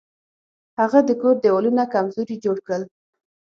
هغه د کور دیوالونه کمزوري جوړ کړل.